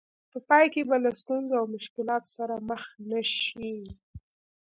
په پای کې به له ستونزو او مشکلاتو سره مخ نه شئ.